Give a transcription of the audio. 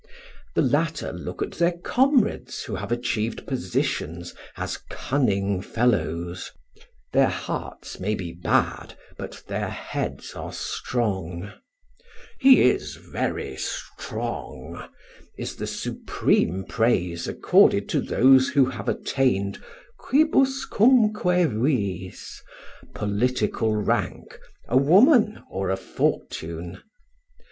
The latter look at their comrades who have achieved positions as cunning fellows; their hearts may be bad, but their heads are strong. "He is very strong!" is the supreme praise accorded to those who have attained quibuscumque viis, political rank, a woman, or a fortune.